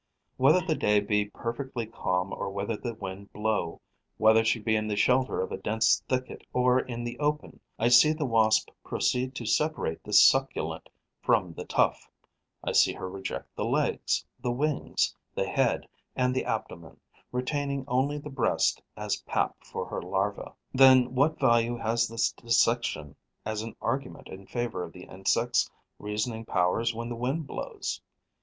Whether the day be perfectly calm or whether the wind blow, whether she be in the shelter of a dense thicket or in the open, I see the Wasp proceed to separate the succulent from the tough; I see her reject the legs, the wings, the head and the abdomen, retaining only the breast as pap for her larvae. Then what value has this dissection as an argument in favour of the insect's reasoning powers when the wind blows?